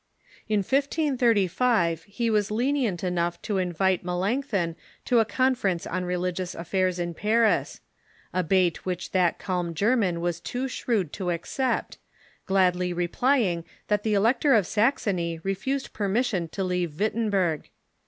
In 1535 he was lenient enough to invite Melanchthon to a conference on religious af fairs in Paris — a bait which that calm German was too shrewd to accept, gladly replying that the Elector of Saxony re fused permission to leave Wittenberg.